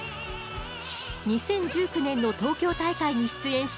２０１９年の東京大会に出演した